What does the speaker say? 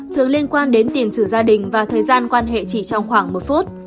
thường liên quan đến tiền sử gia đình và thời gian quan hệ chỉ trong khoảng một phút